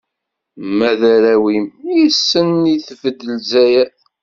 Ma d arraw-im, yis-sen i tbedd Lezzayer.